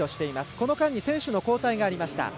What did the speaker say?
この間に選手の交代がありました。